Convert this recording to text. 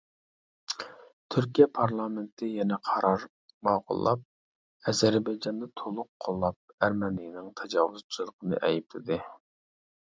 تۈركىيە پارلامېنتى يەنە قارار ماقۇللاپ ، ئەزەربەيجاننى تولۇق قوللاپ ، ئەرمېنىيەنىڭ تاجاۋۇزچىلىقىنى ئەيىبلىدى.